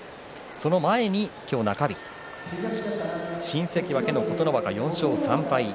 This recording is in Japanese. その前に今日、中日新関脇の琴ノ若、４勝３敗。